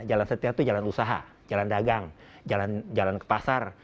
jalan setia itu jalan usaha jalan dagang jalan ke pasar